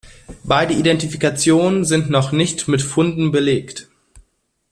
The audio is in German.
Beide Identifikationen sind noch nicht mit Funden belegt.